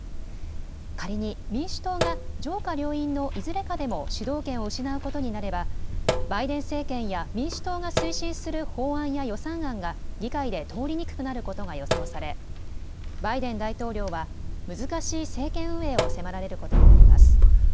仮に民主党が上下両院のいずれかでも主導権を失うことになればバイデン政権や民主党が推進する法案や予算案が議会で通りにくくなることが予想されバイデン大統領は難しい政権運営を迫られることになります。